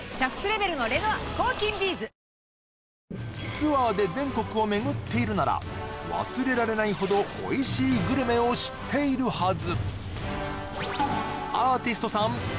ツアーで全国を巡っているなら忘れられないほどおいしいグルメを知っているはず